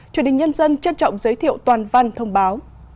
chủ đình nhân dân trân trọng giới thiệu toàn văn thông báo